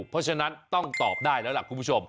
เพราะฉะนั้นต้องตอบได้แล้วล่ะคุณผู้ชม